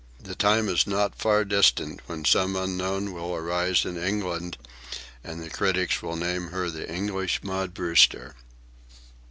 The time is not far distant when some unknown will arise in England and the critics will name her the English Maud Brewster."